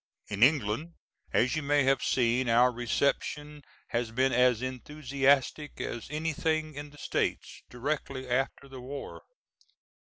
In England, as you may have seen, our reception has been as enthusiastic as anything in the States directly after the war.